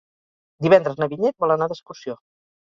Divendres na Vinyet vol anar d'excursió.